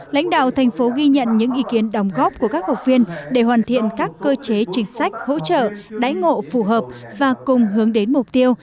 lãnh đạo thành phố ghi nhận những ý kiến đồng góp của các học viên để hoàn thiện các cơ chế chính sách hỗ trợ đáy ngộ phù hợp và cùng hướng đến mục tiêu